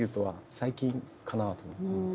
最近かなと思います。